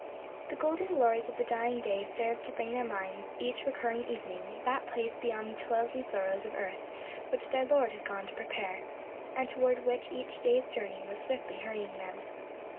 The golden glories of the dying day served to bring to their minds, each recurring evening, that place beyond the toils and sorrows of earth which their Lord had gone to prepare, and toward which each day's journey was swiftly hurrying them.